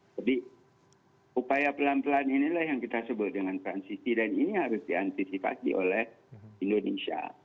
jadi upaya pelan pelan inilah yang kita sebut dengan transisi dan ini harus diantisipasi oleh indonesia